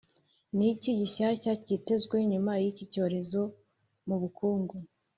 ni iki gishyashya kitezwe nyuma y’iki cyorezo mu bukungu?